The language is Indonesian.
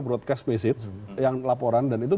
broadcast message yang laporan dan itu